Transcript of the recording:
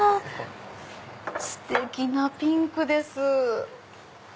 ステキなピンクです。